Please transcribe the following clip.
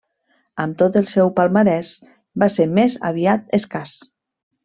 Amb tot el seu palmarès va ser més aviat escàs.